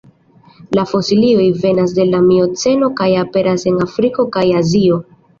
La fosilioj venas de la mioceno kaj aperas en Afriko kaj Azio.